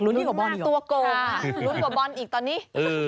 ลุ้นกว่าบอลอยู่ลุ้นมากตัวโกลลุ้นกว่าบอลอีกตอนนี้